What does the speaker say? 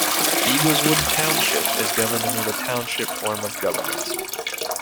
Eagleswood Township is governed under the Township form of government.